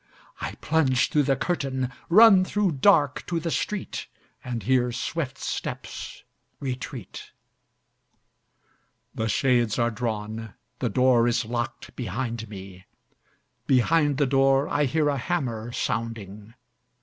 I plunge through the curtain, run through dark to the street, And hear swift steps retreat ... The shades are drawn, the door is locked behind me. Behind the door I hear a hammer sounding.